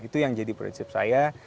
itu yang jadi prinsip saya